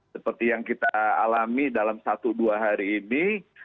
seperti yang kita alami dalam satu dua hari ini